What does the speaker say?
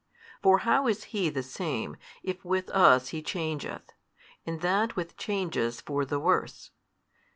For how is He the Same, if with us He changeth, and that with changes for the worse?